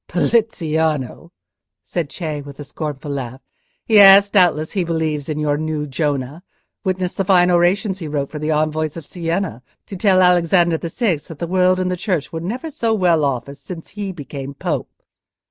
"Poliziano?" said Cei, with a scornful laugh. "Yes, doubtless he believes in your new Jonah; witness the fine orations he wrote for the envoys of Sienna, to tell Alexander the Sixth that the world and the Church were never so well off as since he became Pope."